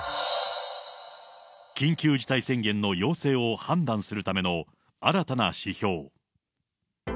緊急事態宣言の要請を判断するための新たな指標。